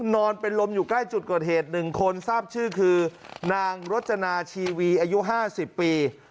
นอนเป็นลมอยู่ใกล้จุดกว่าเทศหนึ่งคนทราบชื่อคือนางรจนาชีวีอายุห้าสิบปี